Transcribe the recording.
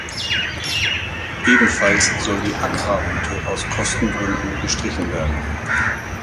Ebenfalls soll die Accra-Route aus Kostengründen gestrichen werden.